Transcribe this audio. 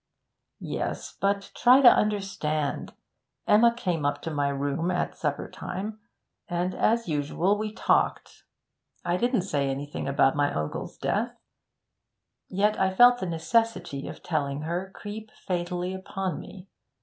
'Yes; but try to understand. Emma came up to my room at supper time, and as usual we talked. I didn't say anything about my uncle's death yet I felt the necessity of telling her creep fatally upon me.